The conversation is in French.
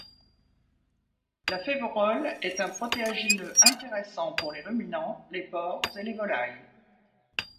La féverolle est un protéagineux intéressant pour les ruminants, les porcs et les volailles.